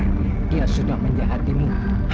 dia sudah menjahatimu